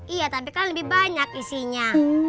iya tapi kan lebih banyak isinya